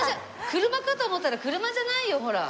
車かと思ったら車じゃないよほら。